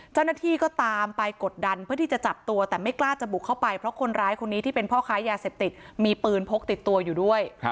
เจ้าหน้าที่ก็ตามไปกดดันเพื่อที่จะจับตัวแต่ไม่กล้าจะบุกเข้าไปเพราะคนร้ายคนนี้ที่เป็นพ่อค้ายาเสพติดมีปืนพกติดตัวอยู่ด้วย